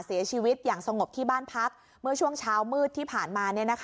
เสียชีวิตอย่างสงบที่บ้านพักเมื่อช่วงเช้ามืดที่ผ่านมา